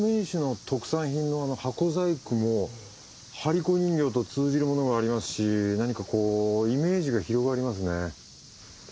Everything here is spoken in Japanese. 市の特産品のあの箱細工も張子人形と通じるものがありますし何かこうイメージが広がりますね。